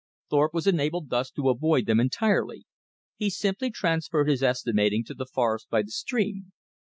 Thorpe was enabled thus to avoid them entirely. He simply transferred his estimating to the forest by the stream.